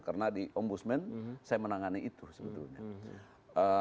karena di ombudsman saya menangani itu sebetulnya